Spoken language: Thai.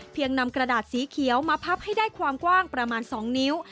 นำกระดาษสีเขียวมาพับให้ได้ความกว้างประมาณ๒นิ้ว